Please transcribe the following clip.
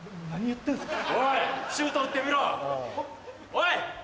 おい！